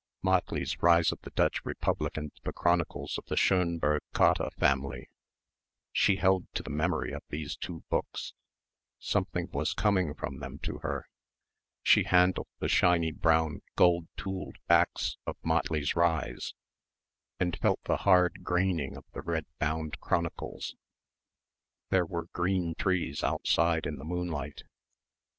Motley's Rise of the Dutch Republic and the Chronicles of the Schönberg Cotta family. She held to the memory of these two books. Something was coming from them to her. She handled the shiny brown gold tooled back of Motley's Rise and felt the hard graining of the red bound Chronicles.... There were green trees outside in the moonlight